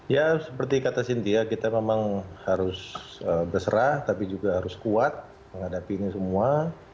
ya seperti kata cynthia kita memang harus berserah tapi juga harus kuat menghadapi ini semua